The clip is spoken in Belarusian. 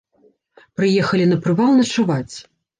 Прыехалі на прывал начаваць.